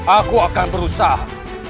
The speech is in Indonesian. aku akan berusaha